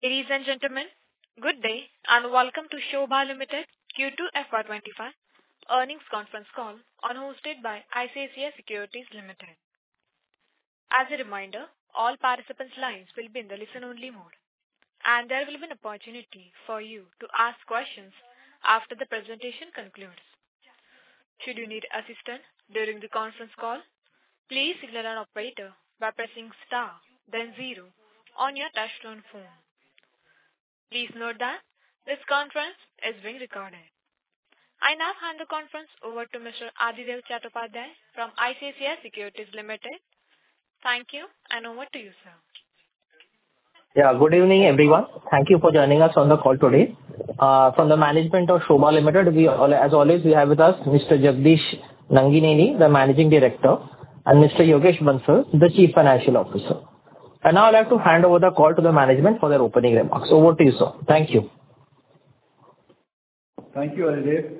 Ladies and gentlemen, good day and welcome to Sobha Limited Q2 FY25 earnings conference call, hosted by ICICI Securities Limited. As a reminder, all participants' lines will be in the listen-only mode, and there will be an opportunity for you to ask questions after the presentation concludes. Should you need assistance during the conference call, please signal an operator by pressing star, then zero on your touch-tone phone. Please note that this conference is being recorded. I now hand the conference over to Mr. Adhidev Chattopadhyay from ICICI Securities Limited. Thank you, and over to you, sir. Yeah, good evening, everyone. Thank you for joining us on the call today. From the management of Sobha Limited, as always, we have with us Mr. Jagadish Nangineni, the Managing Director, and Mr. Yogesh Bansal, the Chief Financial Officer. And now I'd like to hand over the call to the management for their opening remarks. Over to you, sir. Thank you. Thank you, Adhidev.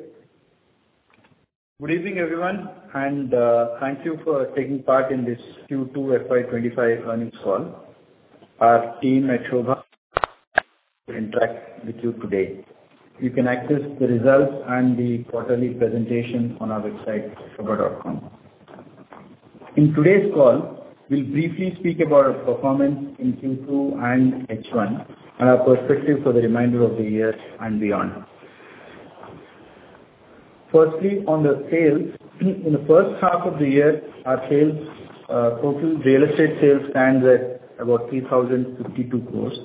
Good evening, everyone, and thank you for taking part in this Q2 FY25 earnings call. Our team at Sobha will interact with you today. You can access the results and the quarterly presentation on our website, Sobha.com. In today's call, we'll briefly speak about our performance in Q2 and H1, and our perspective for the remainder of the year and beyond. Firstly, on the sales, in the first half of the year, our total real estate sales stands at about 3,052 crores,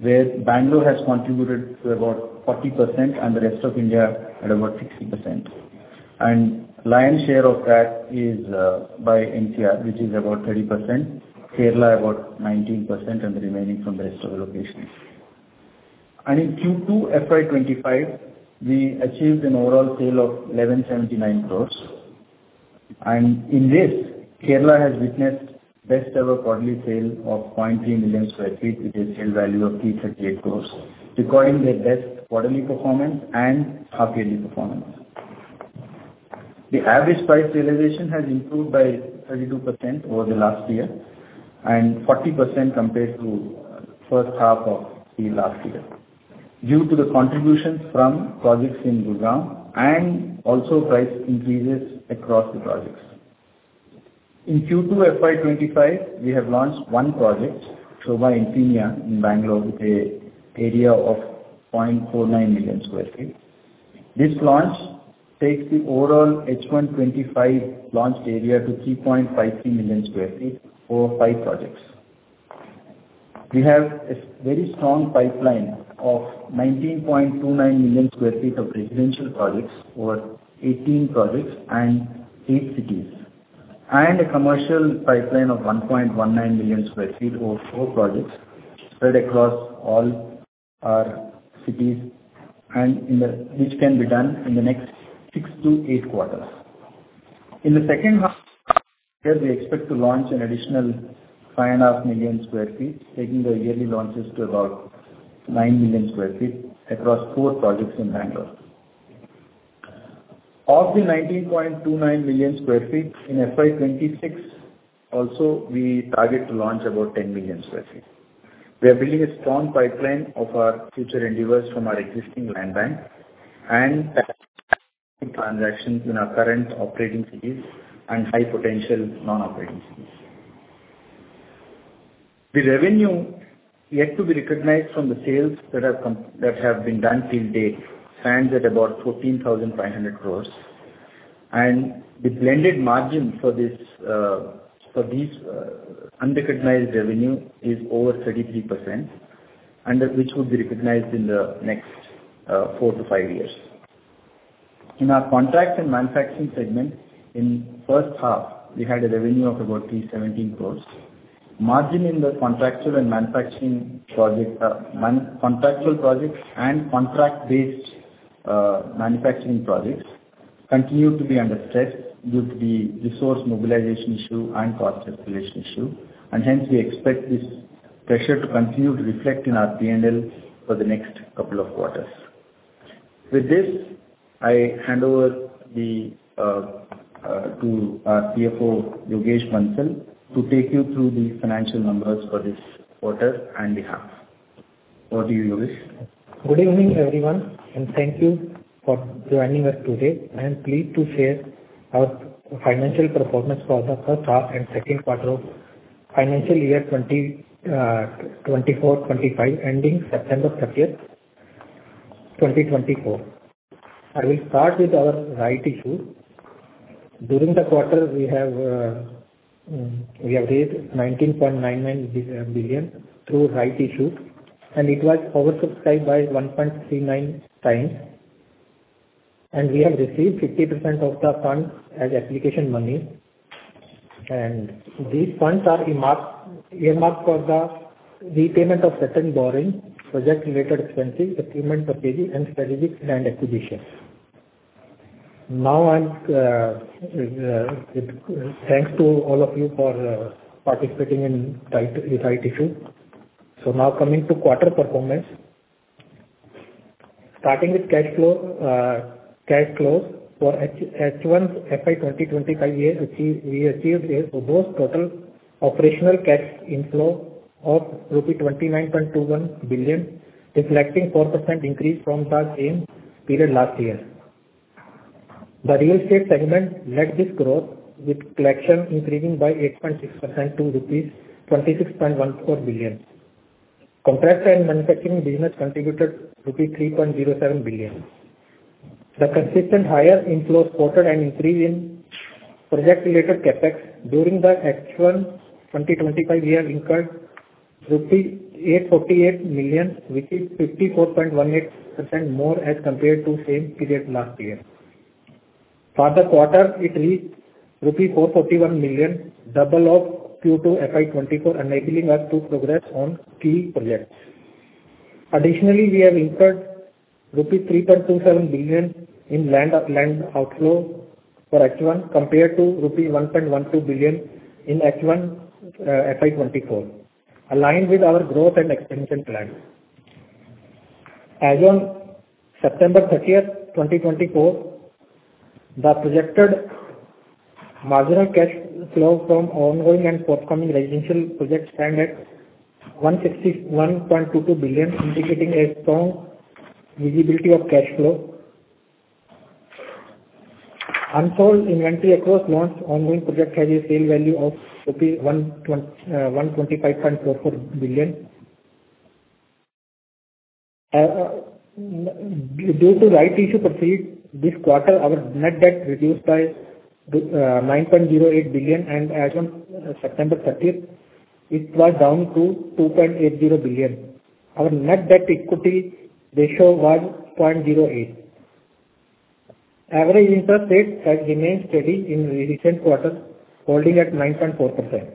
where Bengaluru has contributed to about 40% and the rest of India at about 60%, and the lion's share of that is by MMR, which is about 30%, Kerala about 19%, and the remaining from the rest of the locations, and in Q2 FY25, we achieved an overall sale of 1,179 crores. In this, Kerala has witnessed the best-ever quarterly sale of 0.3 million sq ft, with a sale value of 338 crores, recording their best quarterly performance and half-yearly performance. The average price realization has improved by 32% over the last year and 40% compared to the first half of the last year due to the contributions from projects in Gurugram and also price increases across the projects. In Q2 FY25, we have launched one project, Sobha Infinia in Bengaluru, with an area of 0.49 million sq ft. This launch takes the overall H1 FY25 launched area to 3.53 million sq ft for five projects. We have a very strong pipeline of 19.29 million sq ft of residential projects for 18 projects and eight cities, and a commercial pipeline of 1.19 million sq ft over four projects spread across all our cities, which can be done in the next six to eight quarters. In the second half of the year, we expect to launch an additional 5.5 million sq ft, taking the yearly launches to about 9 million sq ft across four projects in Bengaluru. Of the 19.29 million sq ft in FY26, also, we target to launch about 10 million sq ft. We are building a strong pipeline of our future NDOs from our existing land bank and transactions in our current operating cities and high-potential non-operating cities. The revenue yet to be recognized from the sales that have been done till date stands at about 14,500 crores, and the blended margin for this unrecognized revenue is over 33%, which would be recognized in the next four to five years. In our contractual and manufacturing segment, in the first half, we had a revenue of about 317 crores. Margin in the contractual and manufacturing projects and contract-based manufacturing projects continued to be under stress due to the resource mobilization issue and cost escalation issue, and hence, we expect this pressure to continue to reflect in our P&L for the next couple of quarters. With this, I hand over to our CFO, Yogesh Bansal, to take you through the financial numbers for this quarter and the half. Over to you, Yogesh. Good evening, everyone, and thank you for joining us today. I am pleased to share our financial performance for the first half and second quarter of financial year 2024-25 ending September 30, 2024. I will start with our Rights Issue. During the quarter, we have raised 19.99 billion through Rights Issue, and it was oversubscribed by 1.39 times, and we have received 50% of the funds as application money. These funds are earmarked for the repayment of certain borrowing, project-related expenses, achievement of CapEx, and strategic land acquisitions. Now, thanks to all of you for participating in Rights Issue. Now, coming to quarter performance, starting with cash flow for H1 FY25 year, we achieved a robust total operational cash inflow of rupees 29.21 billion, reflecting a 4% increase from the same period last year. The real estate segment led this growth, with collection increasing by 8.6% to rupees 26.14 billion. Contract and manufacturing business contributed rupees 3.07 billion. The consistent higher inflows quartered and increased in project-related CapEx during the H1 2025 year incurred rupees 848 million, which is 54.18% more as compared to the same period last year. For the quarter, it reached rupee 441 million, double of Q2 FY24, enabling us to progress on key projects. Additionally, we have incurred rupees 3.27 billion in land outflow for H1 compared to rupees 1.12 billion in H1 FY24, aligned with our growth and expansion plan. As of September 30, 2024, the projected marginal cash flow from ongoing and forthcoming residential projects stands at 161.22 billion, indicating a strong visibility of cash flow. Unsold inventory across launched ongoing projects has a sale value of 125.44 billion. Due to rights issue proceeds this quarter, our net debt reduced by 9.08 billion, and as of September 30, it was down to 2.80 billion. Our net debt-to-equity ratio was 0.08. Average interest rate has remained steady in the recent quarter, holding at 9.4%.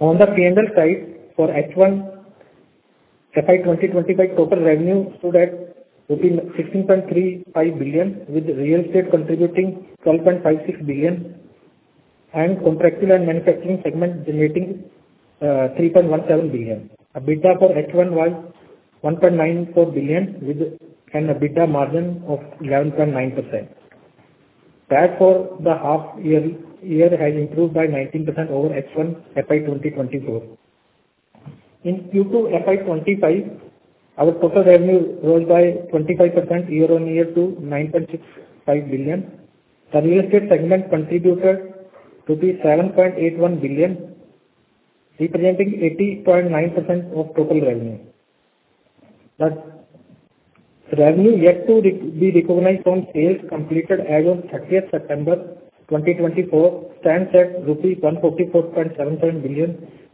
On the P&L side, for H1 FY2025, total revenue stood at 16.35 billion, with real estate contributing 12.56 billion and contractual and manufacturing segment generating 3.17 billion. EBITDA for H1 was 1.94 billion and EBITDA margin of 11.9%. Therefore, the half-year has improved by 19% over H1 FY2024. In Q2 FY25, our total revenue rose by 25% year-on-year to 9.65 billion. The real estate segment contributed 7.81 billion, representing 80.9% of total revenue. The revenue yet to be recognized from sales completed as of 30 September 2024 stands at rupees 144.77 billion,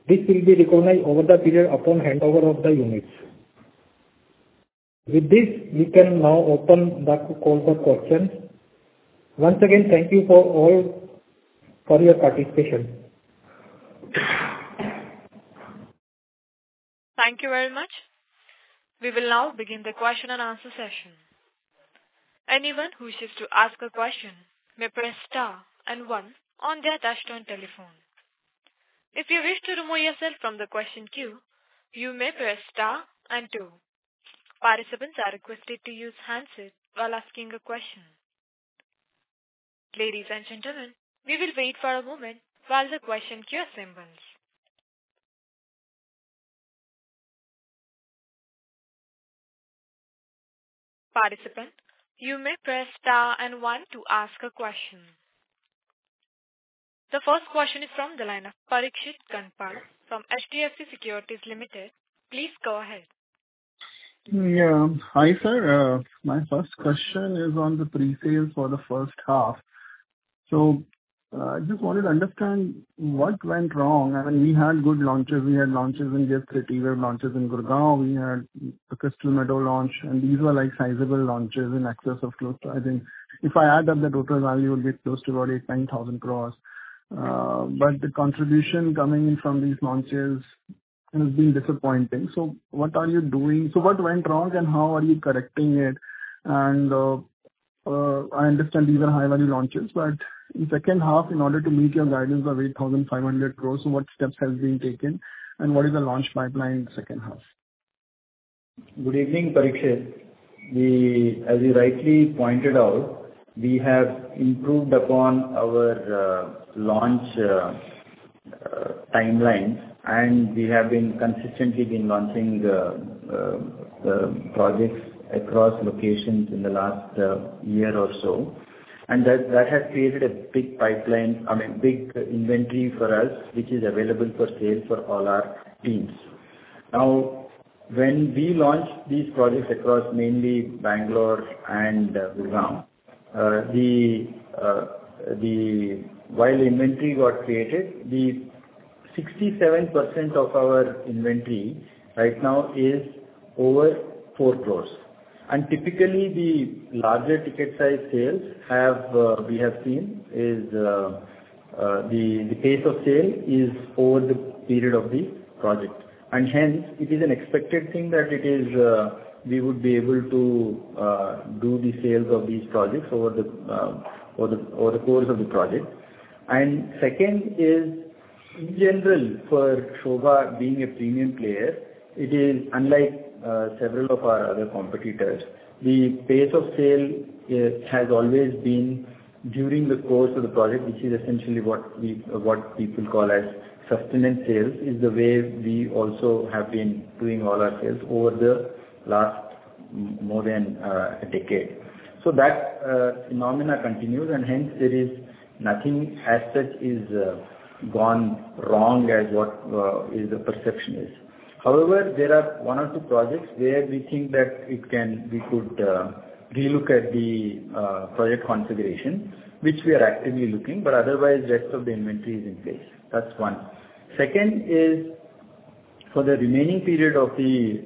which will be recognized over the period upon handover of the units. With this, we can now open the call for questions. Once again, thank you all for your participation. Thank you very much. We will now begin the question and answer session. Anyone who wishes to ask a question may press star and one on their touch-tone telephone. If you wish to remove yourself from the question queue, you may press star and two. Participants are requested to use handsets while asking a question. Ladies and gentlemen, we will wait for a moment while the question queue assembles. Participants, you may press star and one to ask a question. The first question is from the line of Parikshit Kandpal from HDFC Securities Limited. Please go ahead. Yeah, hi, sir. My first question is on the pre-sales for the first half. So I just wanted to understand what went wrong. I mean, we had good launches. We had launches in GIFT City, we had launches in Gurugram, we had the Crystal Meadows launch, and these were sizable launches in excess of close to, I think, if I add up the total value, it would be close to about 8,000-9,000 crores. But the contribution coming in from these launches has been disappointing. So what are you doing? So what went wrong and how are you correcting it? And I understand these are high-value launches, but in the second half, in order to meet your guidance of 8,500 crores, what steps have been taken and what is the launch pipeline in the second half? Good evening, Parikshit. As you rightly pointed out, we have improved upon our launch timelines, and we have consistently been launching the projects across locations in the last year or so, and that has created a big pipeline, I mean, big inventory for us, which is available for sale for all our teams. Now, when we launched these projects across mainly Bengaluru and Gurugram, while inventory got created, 67% of our inventory right now is over 4 crores. And typically, the larger ticket size sales we have seen is the pace of sale is over the period of the project, and hence, it is an expected thing that we would be able to do the sales of these projects over the course of the project. And second is, in general, for Sobha being a premium player, unlike several of our other competitors, the pace of sale has always been during the course of the project, which is essentially what people call as sustenance sales, is the way we also have been doing all our sales over the last more than a decade. So that phenomenon continues, and hence, nothing as such is gone wrong as what the perception is. However, there are one or two projects where we think that we could relook at the project configuration, which we are actively looking, but otherwise, the rest of the inventory is in place. That's one. Second is, for the remaining period of the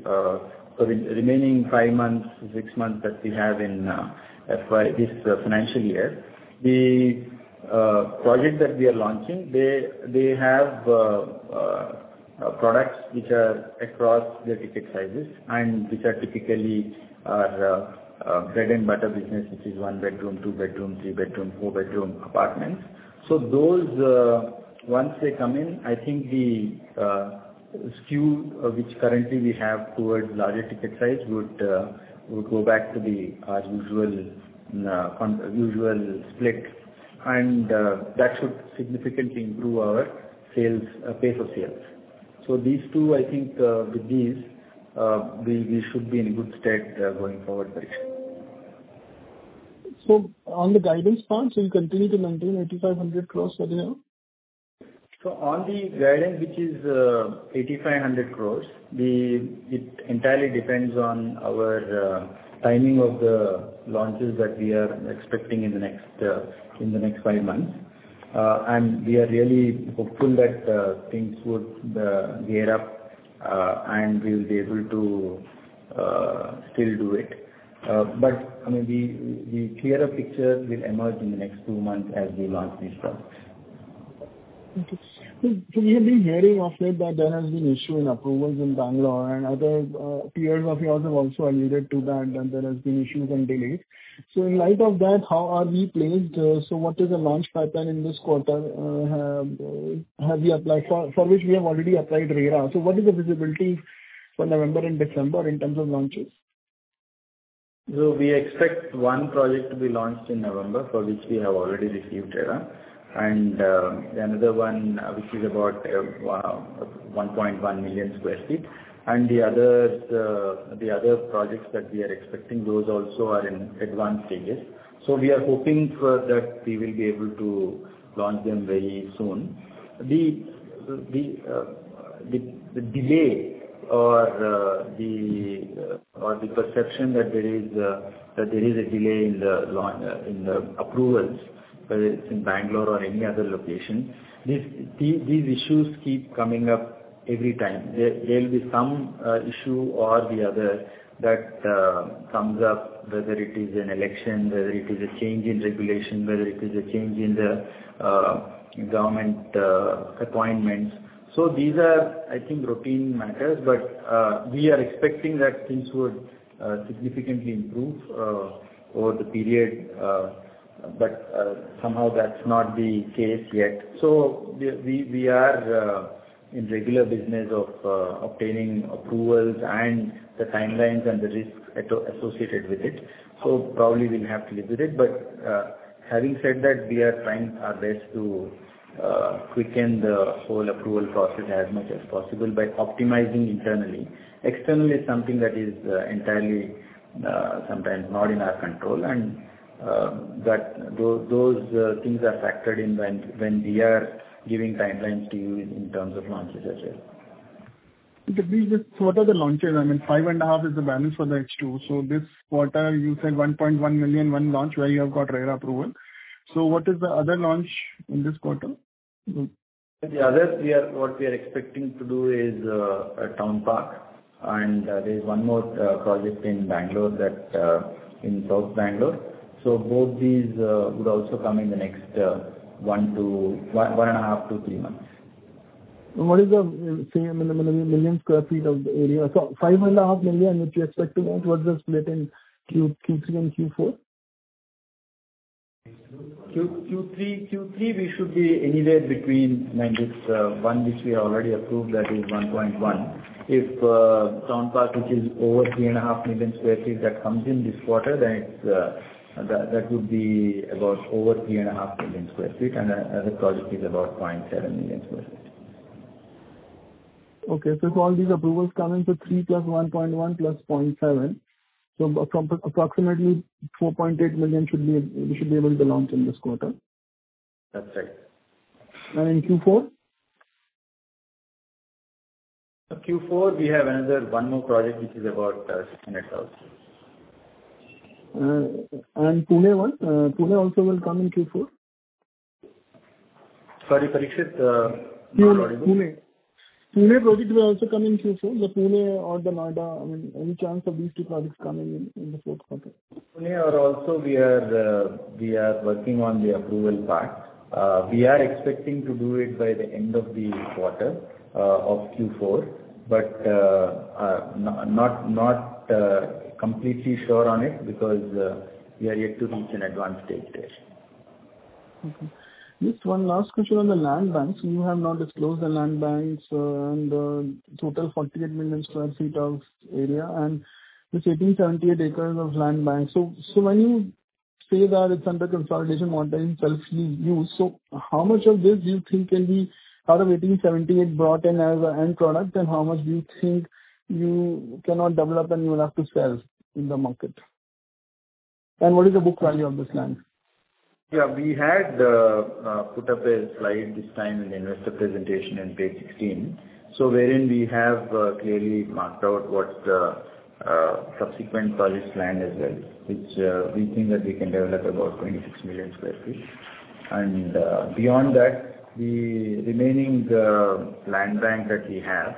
remaining five months, six months that we have in this financial year, the project that we are launching. They have products which are across the ticket sizes and which are typically our bread-and-butter business, which is one-bedroom, two-bedroom, three-bedroom, four-bedroom apartments. Once they come in, I think the skew which currently we have towards larger ticket size would go back to the usual split, and that should significantly improve our pace of sales. These two, I think with these, we should be in good stead going forward, Parikshit. On the guidance part, will you continue to maintain 8,500 crores for the year? So on the guidance, which is 8,500 crores, it entirely depends on our timing of the launches that we are expecting in the next five months. And we are really hopeful that things would gear up, and we will be able to still do it. But I mean, the clearer picture will emerge in the next two months as we launch these products. Okay. So we have been hearing of late that there has been issue in approvals in Bengaluru, and I think your peers have also alluded to that, that there has been issues and delays. So in light of that, how are we placed? So what is the launch pipeline in this quarter? Have you applied for which we have already applied RERA? So what is the visibility for November and December in terms of launches? We expect one project to be launched in November for which we have already received RERA, and another one, which is about 1.1 million sq ft. The other projects that we are expecting, those also are in advanced stages. We are hoping that we will be able to launch them very soon. The delay or the perception that there is a delay in the approvals whether it's in Bengaluru or any other location, these issues keep coming up every time. There will be some issue or the other that comes up, whether it is an election, whether it is a change in regulation, whether it is a change in the government appointments. These are, I think, routine matters, but we are expecting that things would significantly improve over the period, but somehow that's not the case yet. So we are in regular business of obtaining approvals and the timelines and the risks associated with it. So probably we'll have to live with it. But having said that, we are trying our best to quicken the whole approval process as much as possible by optimizing internally. External is something that is entirely sometimes not in our control, and those things are factored in when we are giving timelines to you in terms of launches as well. The business, so what are the launches? I mean, five and a half is the balance for the H2. So this quarter, you said 1.1 million one launch where you have got RERA approval. So what is the other launch in this quarter? The other what we are expecting to do is a Townpark, and there is one more project in Bengaluru that in South Bengaluru. So both these would also come in the next one to one and a half to three months. What is the timeline for the 5.5 million sq ft of the area? So, 5.5 million sq ft, which you expect to launch. What is the split in Q3 and Q4? Q3, we should be anywhere between one which we already approved, that is 1.1. If Townpark, which is over 3.5 million sq ft, that comes in this quarter, then that would be about over 3.5 million sq ft, and the project is about 0.7 million sq ft. Okay. So if all these approvals come in, so three plus 1.1 plus 0.7, so approximately 4.8 million should be able to launch in this quarter. That's right. In Q4? So Q4, we have another one more project which is about sustenance. And Pune one? Pune also will come in Q4? Sorry, Parikshit. Pune. Pune project will also come in Q4? The Pune or the Noida, I mean, any chance of these two projects coming in the fourth quarter? Pune or Noida also, we are working on the approval path. We are expecting to do it by the end of the quarter of Q4, but not completely sure on it because we are yet to reach an advanced stage there. Okay. Just one last question on the land banks. You have now disclosed the land banks and total 48 million sq ft of area and this 1878 acres of land banks. So when you say that it's under consolidation monitoring, self-used, so how much of this do you think can be out of 1878 brought in as an end product, and how much do you think you cannot develop and you will have to sell in the market? And what is the book value of this land? Yeah. We had put up a slide this time in the investor presentation on page 16, so wherein we have clearly marked out what the subsequent project plan is, which we think that we can develop about 26 million sq ft, and beyond that, the remaining land bank that we have,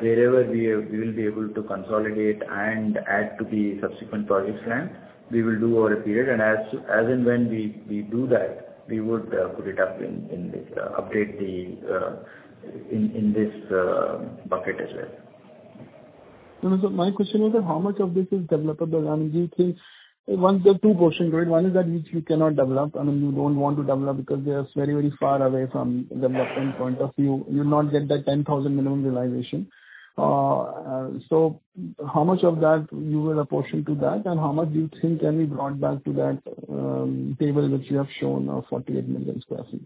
wherever we will be able to consolidate and add to the subsequent project plan, we will do over a period, and as and when we do that, we would put it up in this bucket as well. And so my question was, how much of this is developable? I mean, do you think one of the two portions, right? One is that which you cannot develop, I mean, you don't want to develop because they are very, very far away from development point of view. You'll not get that 10,000 minimum realization. So how much of that you will apportion to that, and how much do you think can be brought back to that table which you have shown of 48 million sq ft?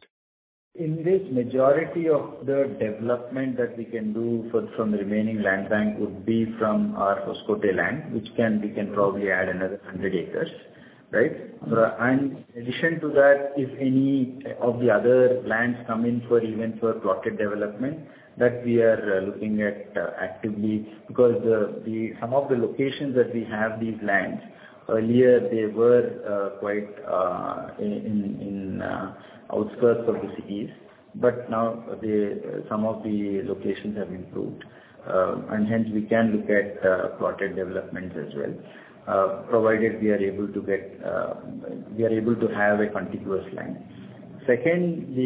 In this, majority of the development that we can do from the remaining land bank would be from our Hoskote land, which we can probably add another 100 acres, right? In addition to that, if any of the other lands come in for even plotted development that we are looking at actively because some of the locations that we have these lands, earlier, they were quite in the outskirts of the cities, but now some of the locations have improved. Hence, we can look at plotted developments as well, provided we are able to have a contiguous land. Second,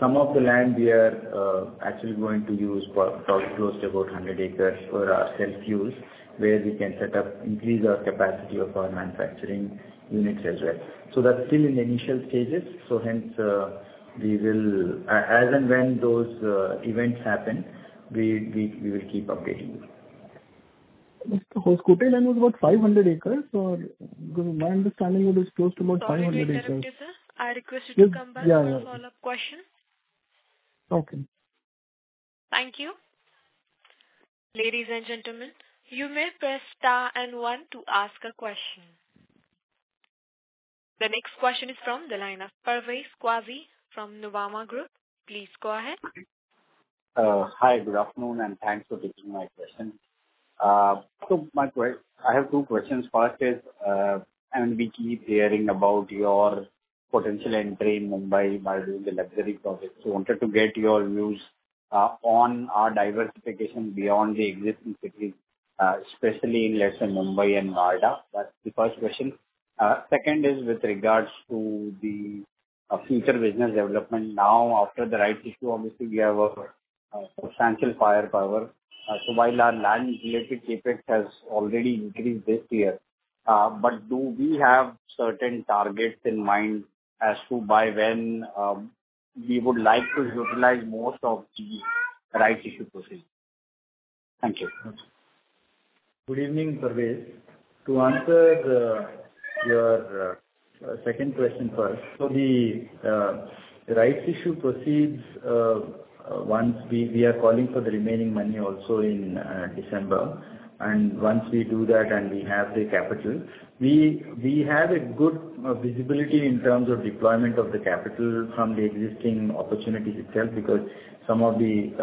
some of the land we are actually going to use close to about 100 acres for our self-use, where we can set up, increase our capacity of our manufacturing units as well. So that's still in the initial stages. So hence, as and when those events happen, we will keep updating you. Hoskote land was about 500 acres, or my understanding of it is close to about 500 acres. Hi, Parikshit. I request you to come back to follow up questions. Okay. Thank you. Ladies and gentlemen, you may press star and one to ask a question. The next question is from the line of Parvez Qazi from Nuvama Group. Please go ahead. Hi, good afternoon, and thanks for taking my question. So my question, I have two questions. First is, I mean, we keep hearing about your potential entry in Mumbai by doing the luxury project. So I wanted to get your views on our diversification beyond the existing cities, especially in Lower Mumbai and Noida. That's the first question. Second is with regards to the future business development. Now, after the rights issue, obviously, we have a substantial firepower. So while our land-related CapEx has already increased this year, but do we have certain targets in mind as to by when we would like to utilize most of the rights issue proceeds? Thank you. Good evening, Parvez. To answer your second question first, so the rights issue proceeds once we are calling for the remaining money also in December. And once we do that and we have the capital, we have a good visibility in terms of deployment of the capital from the existing opportunities itself because some of the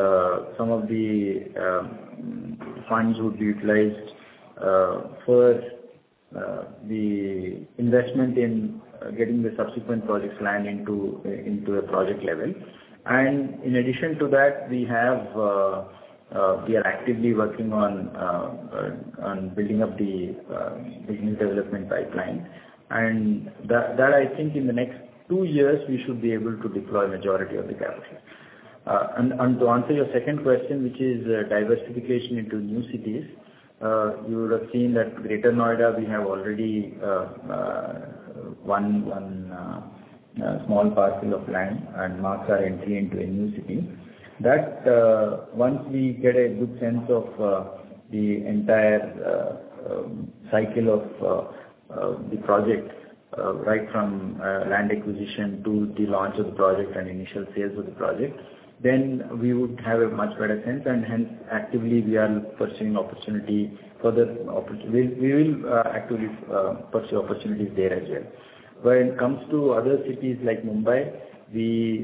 funds would be utilized for the investment in getting the subsequent projects land into a project level. And in addition to that, we are actively working on building up the business development pipeline. And that, I think in the next two years, we should be able to deploy majority of the capital. And to answer your second question, which is diversification into new cities, you would have seen that Greater Noida, we have already one small parcel of land and marked our entry into a new city. That once we get a good sense of the entire cycle of the project, right from land acquisition to the launch of the project and initial sales of the project, then we would have a much better sense. And hence, we will actively pursue opportunities there as well. When it comes to other cities like Mumbai,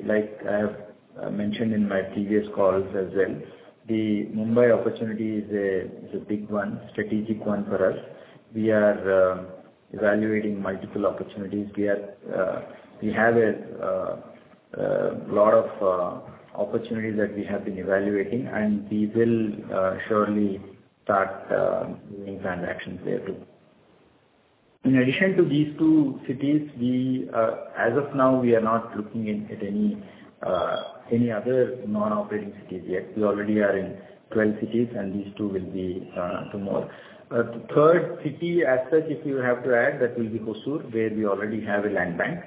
like I have mentioned in my previous calls as well, the Mumbai opportunity is a big one, strategic one for us. We are evaluating multiple opportunities. We have a lot of opportunities that we have been evaluating, and we will surely start making transactions there too. In addition to these two cities, as of now, we are not looking at any other non-operating cities yet. We already are in 12 cities, and these two will be two more. The third city as such, if you have to add, that will be Hosur, where we already have a land bank,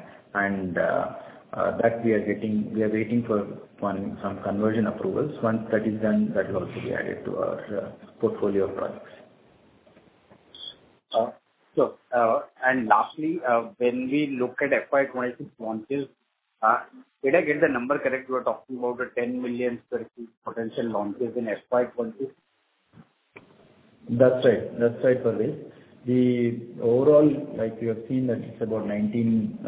and that we are waiting for some conversion approvals. Once that is done, that will also be added to our portfolio of projects. And lastly, when we look at FY26 launches, did I get the number correct? You were talking about 10 million sq ft potential launches in FY26? That's right. That's right, Parvez. The overall, like you have seen, that it's about 19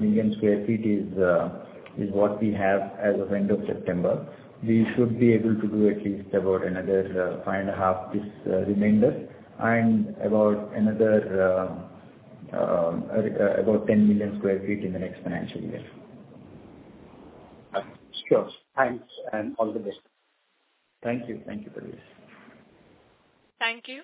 million sq ft is what we have as of end of September. We should be able to do at least about another five and a half this remainder and about 10 million sq ft in the next financial year. Sure. Thanks, and all the best. Thank you. Thank you, Parvez. Thank you.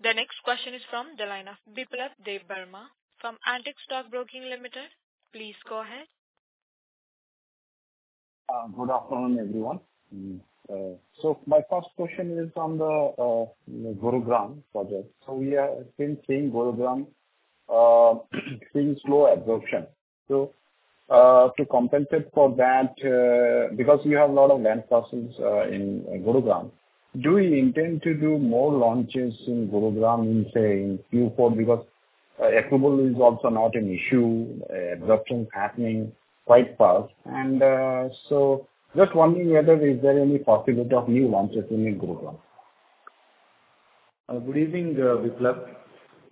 The next question is from the line of Biplab Debbarma from Antique Stock Broking Limited. Please go ahead. Good afternoon, everyone. So my first question is on the Gurugram project. So we have been seeing Gurugram seeing slow absorption. So to compensate for that, because we have a lot of land parcels in Gurugram, do we intend to do more launches in Gurugram in, say, Q4? Because approval is also not an issue. Absorption is happening quite fast. And so just wondering whether is there any possibility of new launches in Gurugram? Good evening, Biplab.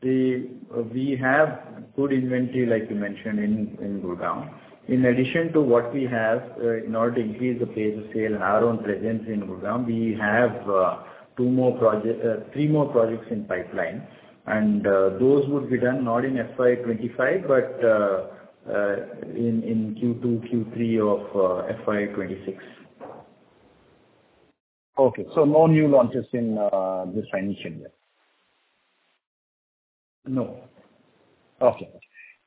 We have good inventory, like you mentioned, in Gurugram. In addition to what we have in order to increase the pace of sale, our own presence in Gurugram, we have three more projects in pipeline, and those would be done not in FY25, but in Q2, Q3 of FY26. Okay, so no new launches in this financial year? No. Okay.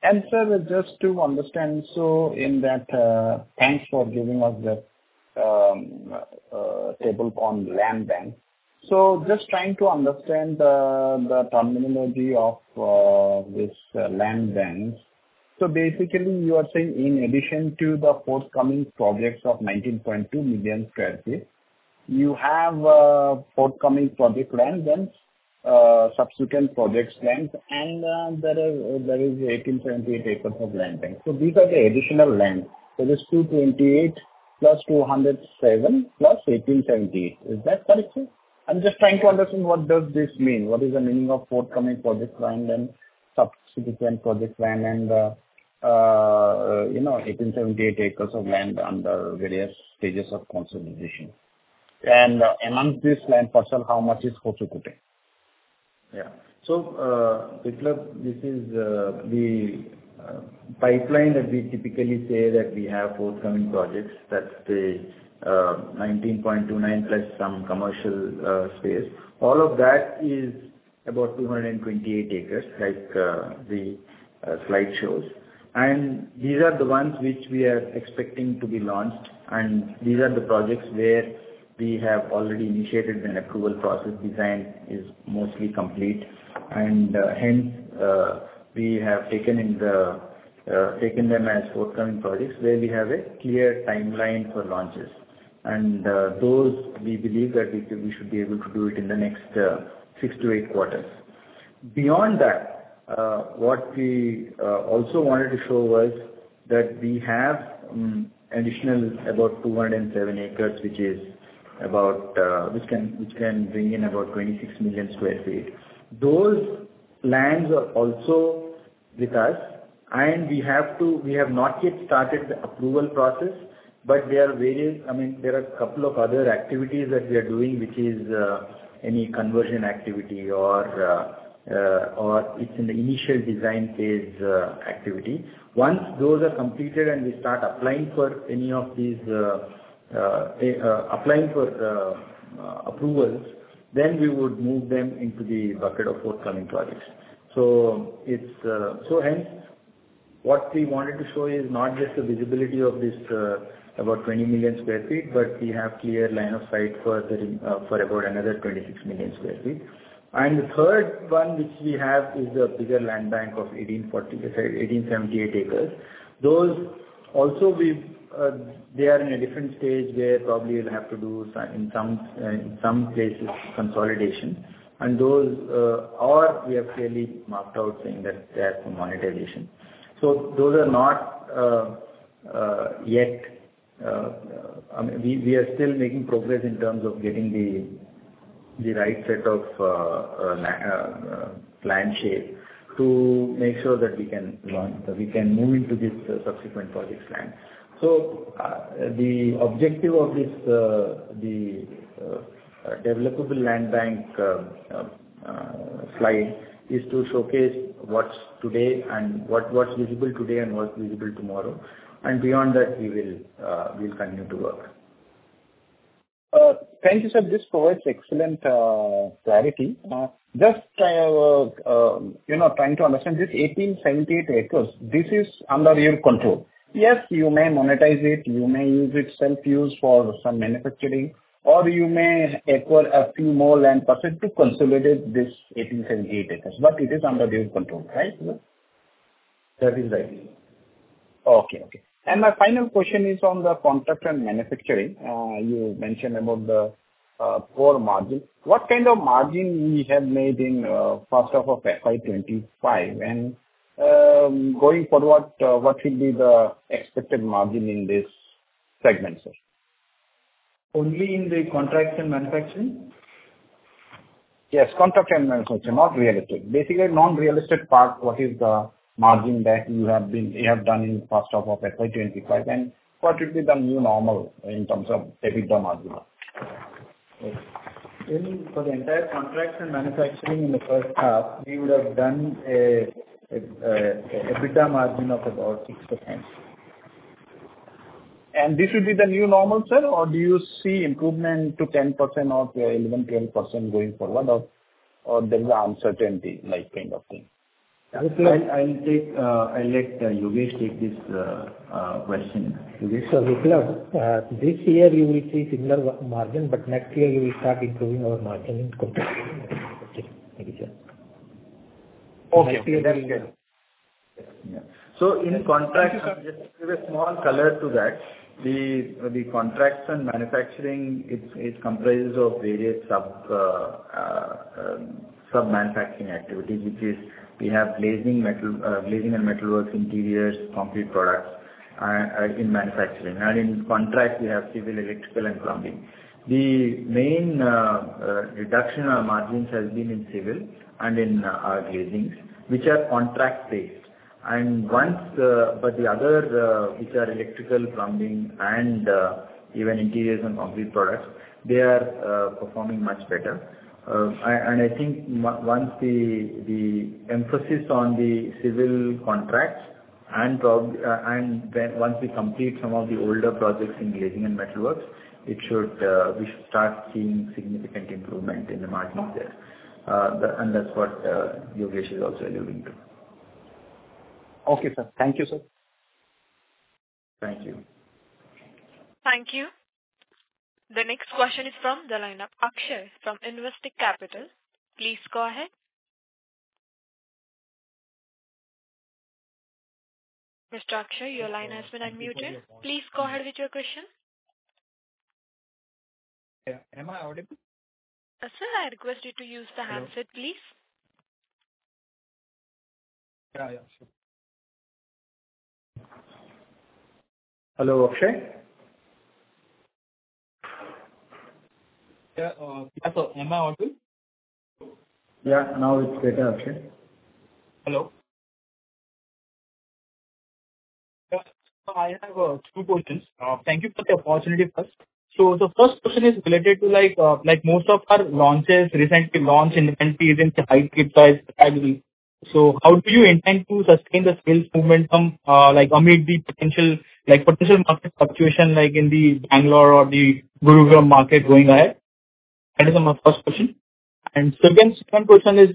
And sir, just to understand, so in that, thanks for giving us the table on land banks. So just trying to understand the terminology of this land banks. So basically, you are saying in addition to the forthcoming projects of 19.2 million sq ft, you have forthcoming project land banks, subsequent projects banks, and there is 1878 acres of land banks. So these are the additional land. So there's 228 plus 207 plus 1878. Is that correct, sir? I'm just trying to understand what does this mean. What is the meaning of forthcoming project land and subsequent project land and 1878 acres of land under various stages of consolidation? And amongst this land parcel, how much is Hoskote? Yeah. So Biplab, this is the pipeline that we typically say that we have forthcoming projects. That's the 19.29 plus some commercial space. All of that is about 228 acres, like the slide shows. And these are the ones which we are expecting to be launched. And these are the projects where we have already initiated an approval process. Design is mostly complete. And hence, we have taken them as forthcoming projects where we have a clear timeline for launches. And those, we believe that we should be able to do it in the next six to eight quarters. Beyond that, what we also wanted to show was that we have additional about 207 acres, which can bring in about 26 million sq ft. Those plans are also with us, and we have not yet started the approval process, but there are various, I mean, there are a couple of other activities that we are doing, which is any conversion activity or it's in the initial design phase activity. Once those are completed and we start applying for any of these approvals, then we would move them into the bucket of forthcoming projects. So hence, what we wanted to show is not just the visibility of this, about 20 million sq ft, but we have clear line of sight for about another 26 million sq ft, and the third one, which we have, is the bigger land bank of 1,878 acres. Those also, they are in a different stage where probably we'll have to do, in some cases, consolidation. And those areas we have clearly marked out saying that they are for monetization. So those are not yet. I mean, we are still making progress in terms of getting the right set of plans in shape to make sure that we can move into this subsequent project plan. So the objective of the developable land bank slide is to showcase what's there today and what's visible today and what's visible tomorrow. And beyond that, we will continue to work. Thank you, sir. This provides excellent clarity. Just trying to understand this 1878 acres, this is under your control. Yes, you may monetize it. You may use it self-use for some manufacturing, or you may acquire a few more land parcels to consolidate this 1878 acres. But it is under your control, right? That is right. Okay. Okay. And my final question is on the contractual and manufacturing. You mentioned about the poor margin. What kind of margin we have made in first half of FY25? And going forward, what will be the expected margin in this segment, sir? Only in the Contracts and Manufacturing? Yes. Contractual and Manufacturing, not real estate. Basically, non-real estate part, what is the margin that you have done in the first half of FY25? And what would be the new normal in terms of EBITDA margin? For the entire Contracts and Manufacturing in the first half, we would have done EBITDA margin of about 6%. This would be the new normal, sir? Or do you see improvement to 10% or 11%-12% going forward, or there is uncertainty kind of thing? I'll let Yogesh take this question. Yogesh. Biplab, this year, you will see similar margin, but next year, you will start improving our margin in comparison with manufacturing. Okay. That's good. Yeah. So in contracts, just to give a small color to that, the contracts and manufacturing, it comprises of various sub-manufacturing activities, which is we have glazing and metalwork, interiors, concrete products in manufacturing. And in contracts, we have civil, electrical, and plumbing. The main reduction of margins has been in civil and in glazing, which are contract-based. But the other, which are electrical, plumbing, and even interiors and concrete products, they are performing much better. And I think once the emphasis on the civil contracts and once we complete some of the older projects in glazing and metalworks, we should start seeing significant improvement in the margins there. And that's what Yogesh is also alluding to. Okay, sir. Thank you, sir. Thank you. Thank you. The next question is from the line of Akshay from Investec Capital. Please go ahead. Mr. Akshay, your line has been unmuted. Please go ahead with your question. Yeah. Am I audible? Sir, I request you to use the handset, please. Yeah. Yeah. Sure. Hello, Akshay? Yeah. Yeah. So am I audible? Yeah. Now it's better, Akshay. Hello. So I have two questions. Thank you for the opportunity first. So the first question is related to most of our launches recently launched in 2020 is in the high ticket size category. So how do you intend to sustain the sales movement from amid the potential market fluctuation in the Bengaluru or the Gurugram market going ahead? That is my first question. And second question is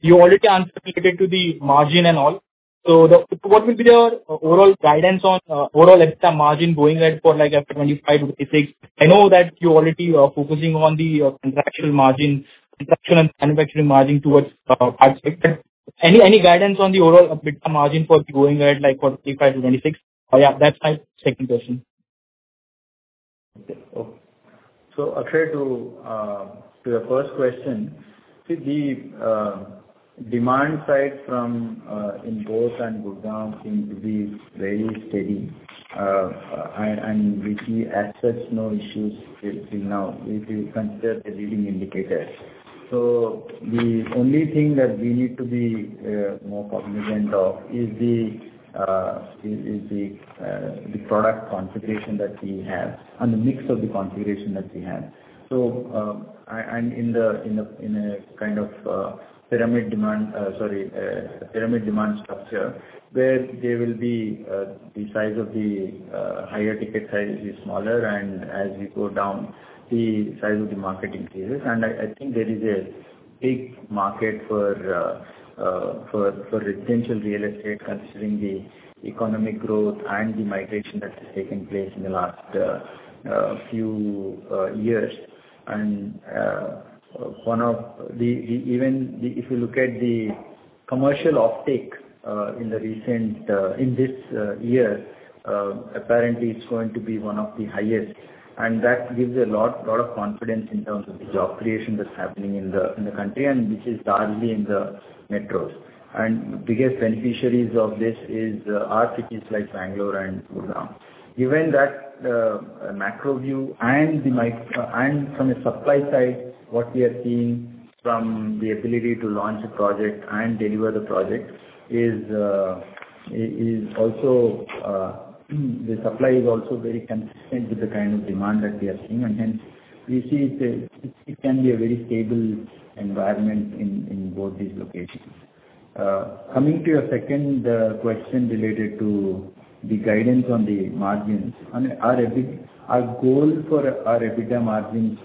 you already answered related to the margin and all. So what would be your overall guidance on overall EBITDA margin going ahead for FY25 to FY26? I know that you're already focusing on the contractual margin, contractual and manufacturing margin towards FY26. But any guidance on the overall EBITDA margin for going ahead for FY25 to FY26? Yeah. That's my second question. Okay. So I'll try to do the first question. See, the demand side from NCR and Gurugram seems to be very steady. And we see absence of issues till now, if you consider the leading indicators. So the only thing that we need to be more cognizant of is the product configuration that we have and the mix of the configuration that we have. So I'm in a kind of pyramid demand, sorry, pyramid demand structure where the size of the higher ticket size is smaller, and as you go down, the size of the market increases. And I think there is a big market for residential real estate, considering the economic growth and the migration that has taken place in the last few years. And even if you look at the commercial uptake in this year, apparently, it's going to be one of the highest. And that gives a lot of confidence in terms of the job creation that's happening in the country, and this is largely in the metros. And the biggest beneficiaries of this are cities like Bengaluru and Gurugram. Given that macro view and from a supply side, what we have seen from the ability to launch a project and deliver the project is also the supply is also very consistent with the kind of demand that we have seen. And hence, we see it can be a very stable environment in both these locations. Coming to your second question related to the guidance on the margins, our goal for our EBITDA margin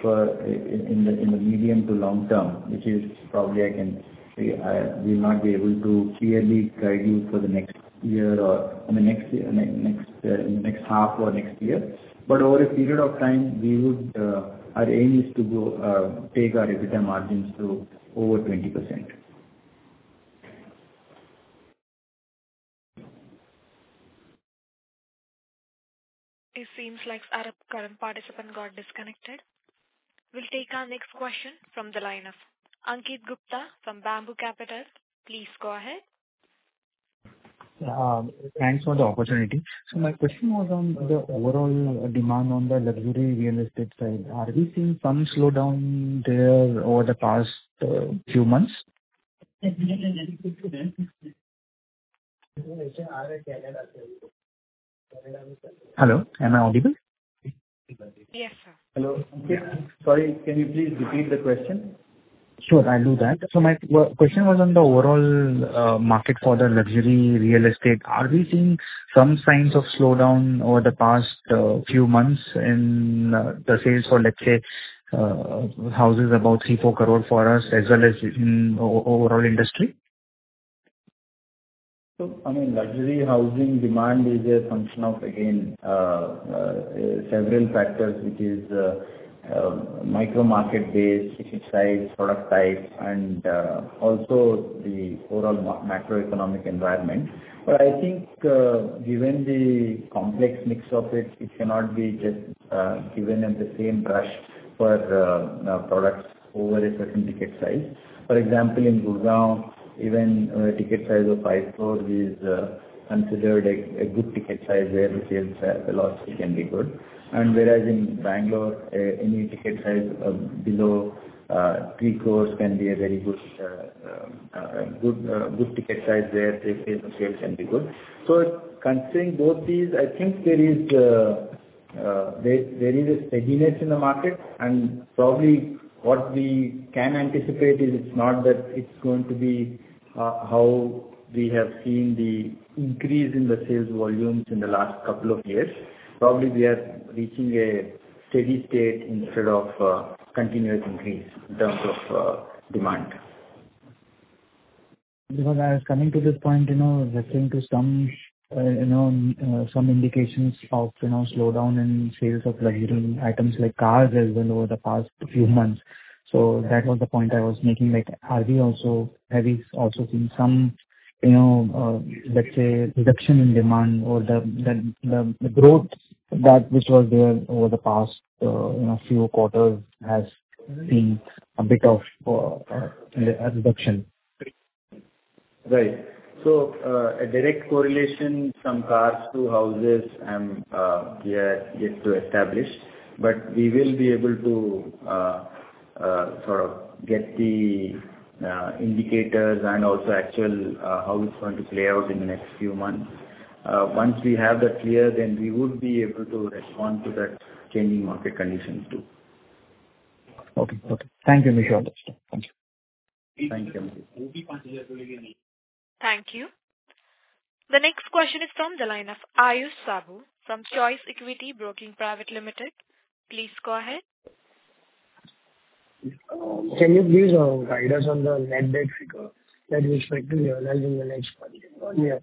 is going in the medium to long term, which is probably I can will not be able to clearly guide you for the next year or in the next half or next year. But over a period of time, our aim is to take our EBITDA margins to over 20%. It seems like our current participant got disconnected. We'll take our next question from the line of Ankit Gupta from Bamboo Capital. Please go ahead. Thanks for the opportunity. So my question was on the overall demand on the luxury real estate side. Are we seeing some slowdown there over the past few months? Hello? Am I audible? Yes, sir. Hello. Sorry. Can you please repeat the question? Sure. I'll do that. So my question was on the overall market for the luxury real estate. Are we seeing some signs of slowdown over the past few months in the sales for, let's say, houses above 3-4 crore for us, as well as in overall industry? I mean, luxury housing demand is a function of, again, several factors, which is micro-market base, size, product type, and also the overall macroeconomic environment. But I think, given the complex mix of it, it cannot be just given at the same brush for products over a certain ticket size. For example, in Gurugram, even a ticket size of five crore is considered a good ticket size there, which sales can be good. Whereas in Bengaluru, any ticket size below three crores can be a very good ticket size there. The sales can be good. Considering both these, I think there is a steadiness in the market. Probably what we can anticipate is it's not that it's going to be how we have seen the increase in the sales volumes in the last couple of years. Probably we are reaching a steady state instead of continuous increase in terms of demand. Because I was coming to this point, referring to some indications of slowdown in sales of luxury items like cars as well over the past few months. So that was the point I was making. Are we also seeing some, let's say, reduction in demand or the growth that which was there over the past few quarters has seen a bit of reduction? Right, so a direct correlation. Some costs to houses and get to establish, but we will be able to sort of get the indicators and also actually how it's going to play out in the next few months. Once we have that clear, then we would be able to respond to that changing market conditions too. Okay. Okay. Thank you, Mr. Jagadish. Thank you. Thank you. Thank you. The next question is from the line of Aayush Saboo from Choice Equity Broking Private Limited. Please go ahead. Can you please guide us on the net debt figure that we're expecting to realize in the next one year?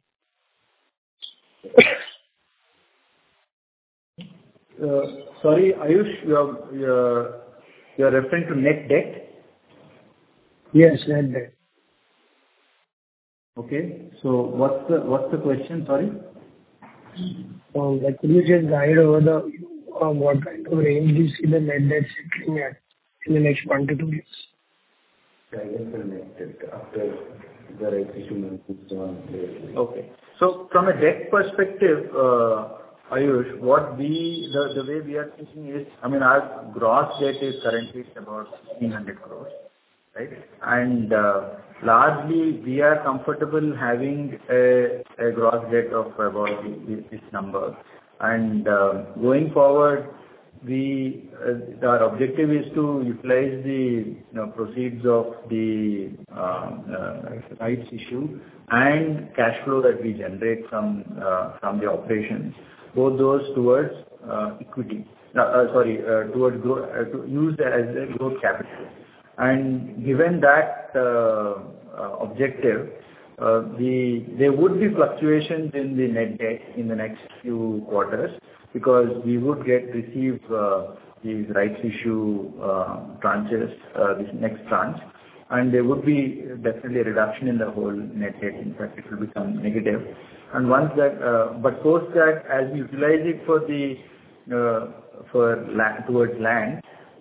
Sorry, Aayush, you are referring to net debt? Yes, Net Debt. Okay. So what's the question, sorry? Could you just guide over the what kind of range do you see the net debt sitting at in the next one to two years? Guidance on net debt after the recession is gone. Okay. So from a debt perspective, Aayush, the way we are thinking is, I mean, our gross debt is currently about 1,600 crore, right? And largely, we are comfortable having a gross debt of about this number. And going forward, our objective is to utilize the proceeds of the rights issue and cash flow that we generate from the operations, both those towards equity sorry, towards use as a growth capital. And given that objective, there would be fluctuations in the net debt in the next few quarters because we would receive these rights issue tranches, this next tranche. And there would be definitely a reduction in the whole net debt. In fact, it will become negative. And once that but post that, as we utilize it towards land,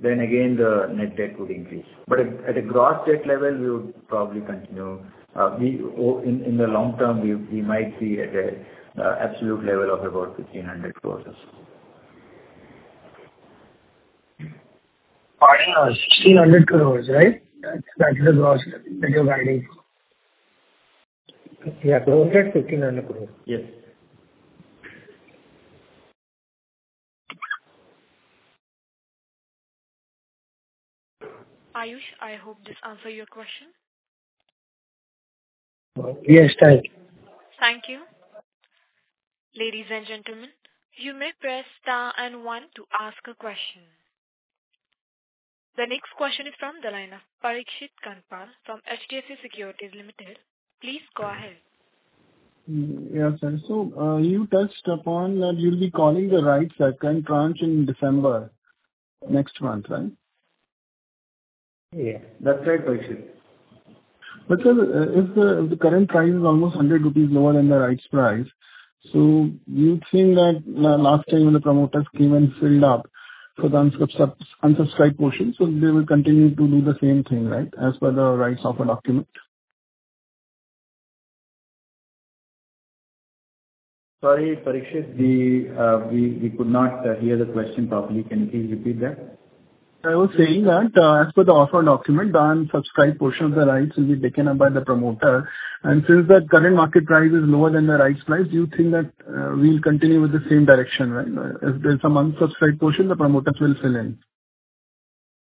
then again, the net debt would increase. But at a gross debt level, we would probably continue in the long term, we might be at an absolute level of about 1,500 crores. 1,600 crores, right? That's the gross that you're guiding for? Yeah. We're at INR 1,500 crores. Yes. Ayush, I hope this answered your question. Yes. Thank you. Thank you. Ladies and gentlemen, you may press star and one to ask a question. The next question is from the line of Parikshit Kandpal from HDFC Securities Limited. Please go ahead. Yes, sir. So you touched upon that you'll be calling the rights second tranche in December next month, right? Yeah. That's right, Parikshit. But sir, if the current price is almost 100 rupees lower than the rights price, so you've seen that last time when the promoters came and filled up for the unsubscribed portion, so they will continue to do the same thing, right, as per the rights offer document? Sorry, Parikshit, we could not hear the question properly. Can you please repeat that? I was saying that as per the offer document, the unsubscribed portion of the rights will be taken up by the promoter. And since the current market price is lower than the rights price, do you think that we'll continue with the same direction, right? If there's some unsubscribed portion, the promoters will fill in?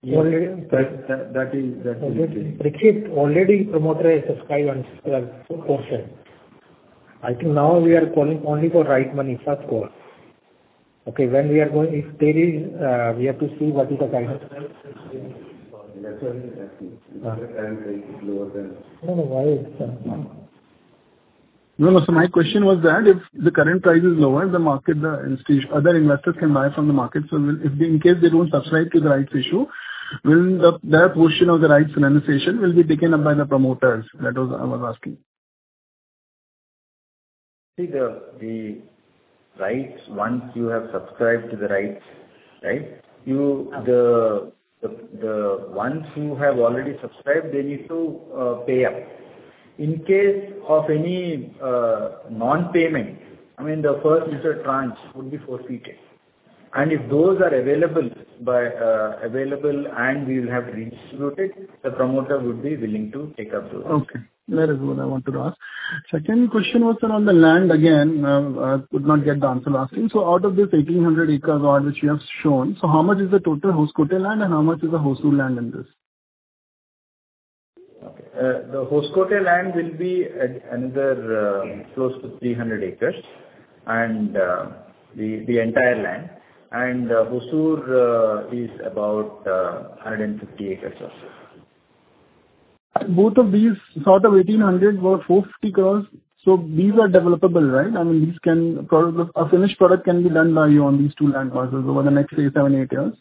Yes. That is the limitation. Parikshit, already promoters subscribed unsubscribed portion. I think now we are calling only for rights money, first call. Okay. When we are going, if there is, we have to see what is the guidance. Yes, sir. It's the current price is lower than. No, no. Why? No, no. So my question was that if the current price is lower, the market, the other investors can buy from the market. So in case they don't subscribe to the rights issue, will that portion of the rights renunciation will be taken up by the promoters? That was I was asking. See, the rights, once you have subscribed to the rights, right, the ones who have already subscribed, they need to pay up. In case of any non-payment, I mean, the first is a tranche would be forfeited. And if those are available and we will have redistributed, the promoter would be willing to take up those. Okay. That is what I wanted to ask. Second question was, sir, on the land again. I could not get the answer last time. So out of this 1,800 acres which you have shown, so how much is the total Hoskote land and how much is the Hosur land in this? Okay. The Hoskote land will be another close to 300 acres and the entire land, and the Hosur is about 150 acres or so. Both of these, sort of 1,800 crores or 450 crores, so these are developable, right? I mean, these can a finished product can be done by you on these two land parcels over the next, say, seven, eight years?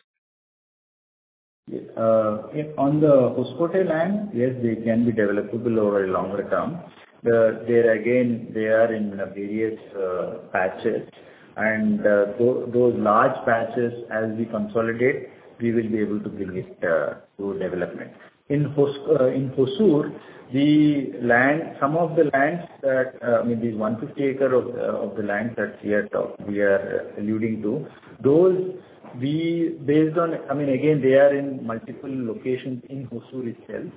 On the Hoskote land, yes, they can be developable over a longer term. Again, they are in various patches. And those large patches, as we consolidate, we will be able to bring it to development. In Hosur, some of the lands that I mean, these 150 acres of the lands that we are alluding to, those, based on I mean, again, they are in multiple locations in Hosur itself.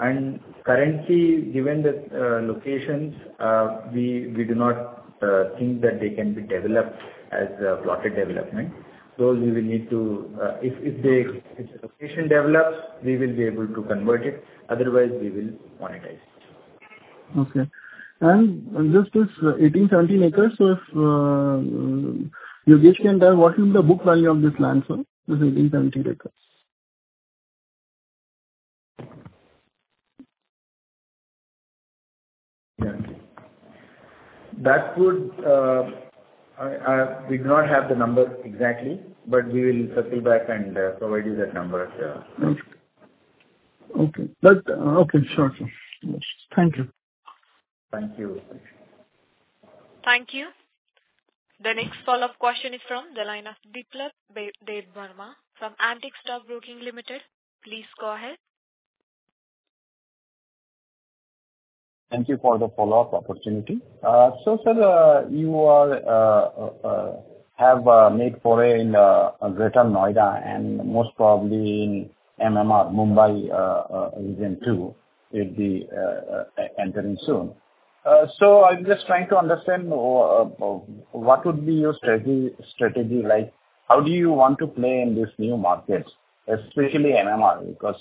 And currently, given the locations, we do not think that they can be developed as plotted development. So we will need to if the location develops, we will be able to convert it. Otherwise, we will monetize it. Okay. And just this 1,870 acres, so if Yogesh can tell, what will be the book value of this land, sir, this 1,870 acres? Yeah. That we do not have the number exactly, but we will circle back and provide you that number. Okay. Okay. But okay. Sure, sure. Thank you. Thank you. Thank you. The next follow-up question is from the line of Biplab Debbarma from Antique Stock Broking Limited. Please go ahead. Thank you for the follow-up opportunity. So, sir, you have made foray in Greater Noida and most probably in MMR, Mumbai Metropolitan Region, if you're entering soon. So I'm just trying to understand what would be your strategy like? How do you want to play in this new market, especially MMR? Because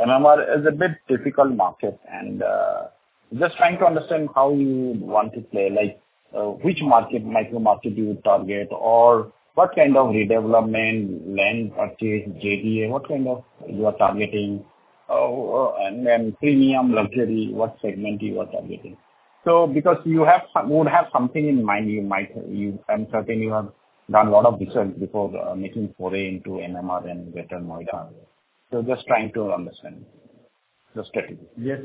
MMR is a bit difficult market. And just trying to understand how you want to play, which micro-market you would target, or what kind of redevelopment, land purchase, JDA, what kind of you are targeting, and then premium luxury, what segment you are targeting. So because you would have something in mind, you might, I'm certain you have done a lot of research before making foray into MMR and Greater Noida. So just trying to understand the strategy. Yes.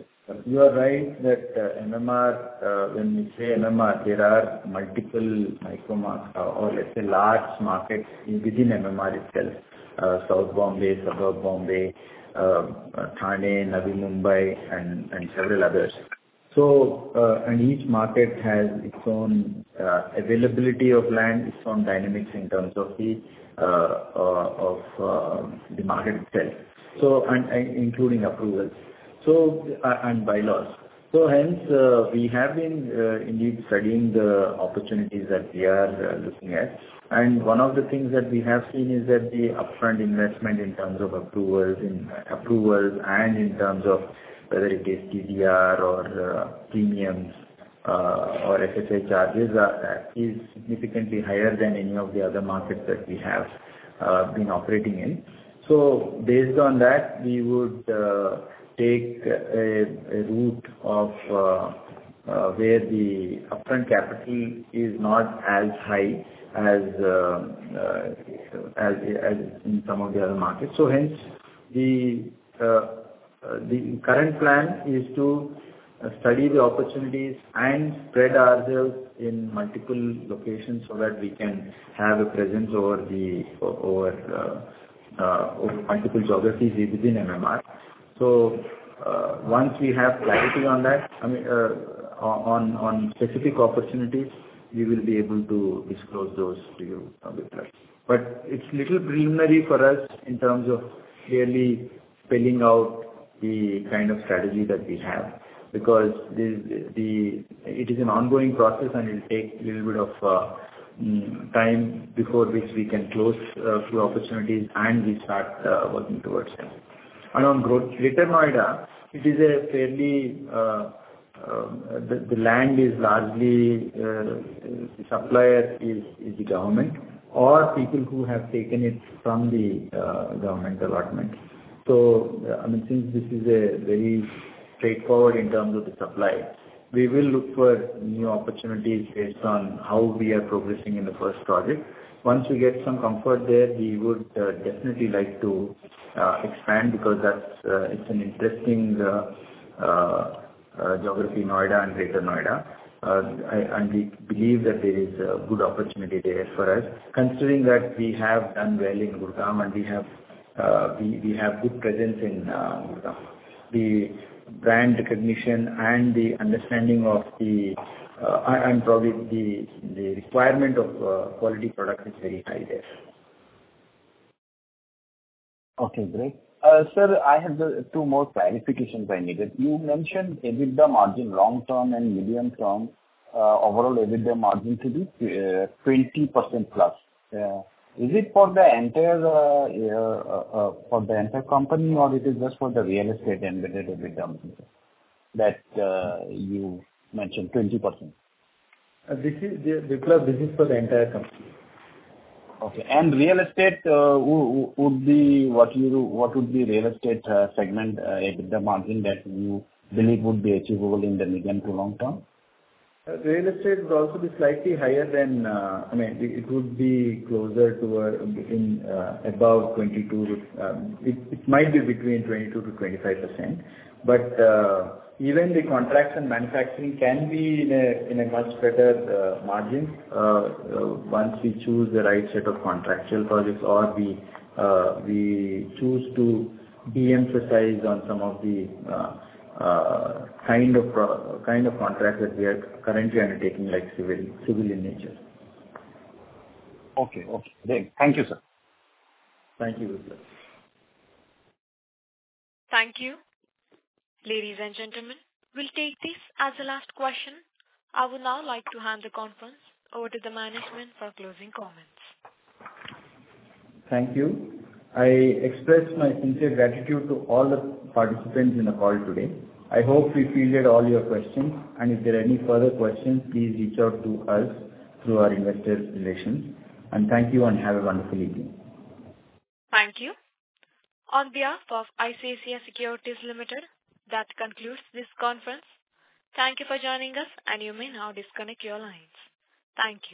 You are right that MMR, when we say MMR, there are multiple micro-markets or, let's say, large markets within MMR itself, South Bombay, Suburban Bombay, Thane, Navi Mumbai, and several others. And each market has its own availability of land, its own dynamics in terms of the market itself, including approvals and bylaws. So hence, we have been indeed studying the opportunities that we are looking at. And one of the things that we have seen is that the upfront investment in terms of approvals and in terms of whether it is TDR or premiums or FSI charges is significantly higher than any of the other markets that we have been operating in. So based on that, we would take a route of where the upfront capital is not as high as in some of the other markets. So hence, the current plan is to study the opportunities and spread ourselves in multiple locations so that we can have a presence over multiple geographies within MMR. So once we have clarity on that, I mean, on specific opportunities, we will be able to disclose those to you with us. But it's a little preliminary for us in terms of clearly spelling out the kind of strategy that we have because it is an ongoing process, and it will take a little bit of time before which we can close through opportunities and we start working towards them. And on Greater Noida, it is a fairly the land is largely the supplier is the government or people who have taken it from the government allotment. So I mean, since this is a very straightforward in terms of the supply, we will look for new opportunities based on how we are progressing in the first project. Once we get some comfort there, we would definitely like to expand because it's an interesting geography, Noida and Greater Noida. And we believe that there is a good opportunity there for us, considering that we have done well in Gurugam and we have good presence in Gurugram. The brand recognition and the understanding of the and probably the requirement of quality product is very high there. Okay. Great. Sir, I have two more clarifications I needed. You mentioned EBITDA margin long-term and medium-term, overall EBITDA margin to be 20% plus. Is it for the entire company or is it just for the real estate embedded EBITDA margin that you mentioned, 20%? Biplab, this is for the entire company. Okay. Real estate, what would be real estate segment EBITDA margin that you believe would be achievable in the medium to long-term? Real estate would also be slightly higher than I mean, it would be closer to about 22%. It might be between 22%-25%. But even the contracts and manufacturing can be in a much better margin once we choose the right set of contractual projects or we choose to de-emphasize on some of the kind of contract that we are currently undertaking, like civil in nature. Okay. Okay. Great. Thank you, sir. Thank you, Biplab. Thank you. Ladies and gentlemen, we'll take this as the last question. I would now like to hand the conference over to the management for closing comments. Thank you. I express my sincere gratitude to all the participants in the call today. I hope we fielded all your questions, and if there are any further questions, please reach out to us through our investor relations, and thank you and have a wonderful evening. Thank you. On behalf of ICICI Securities Limited, that concludes this conference. Thank you for joining us, and you may now disconnect your lines. Thank you.